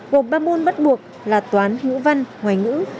gồm ba môn bắt buộc là toán ngũ văn ngoài ngữ